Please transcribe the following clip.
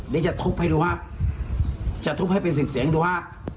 นี่จะทุกข์ให้ดูฮะจะทุกข์ให้เป็นเสียงดูฮะ